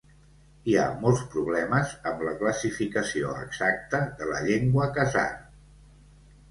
Hi ha molts problemes amb la classificació exacta de la llengua khazar.